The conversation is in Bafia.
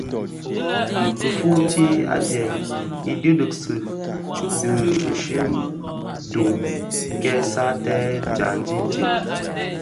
Kifuuti adyèm i dhidigsi di bishyom (dum) kè satèè djandi itsem.